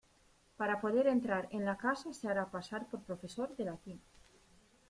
Para poder entrar en la casa se hará pasar por profesor de latín.